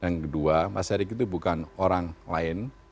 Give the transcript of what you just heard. dan kedua mas erik itu bukan orang lain